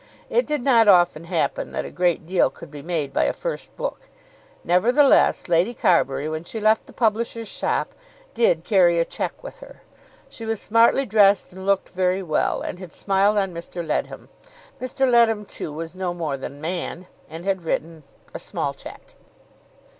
It did not often happen that a great deal could be made by a first book. Nevertheless, Lady Carbury, when she left the publisher's shop, did carry a cheque with her. She was smartly dressed and looked very well, and had smiled on Mr. Leadham. Mr. Leadham, too, was no more than man, and had written a small cheque.